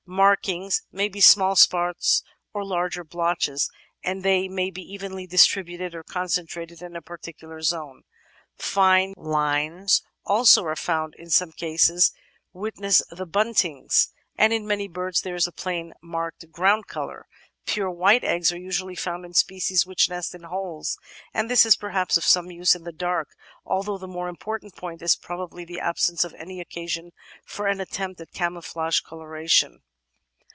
Markings may be small spots or larger blotches, and they may be evenly distributed or con centrated in a particular zone; fine Unes also are found in some cases, witness the Buntings, and in many birds there is a plain marked ground colour. Pure white eggs are usually found in species which nest in holes, and this is perhaps of some use in the dark, although the more important point is probably the absence of any occasion for an attempt at "camouflage" colora • tion.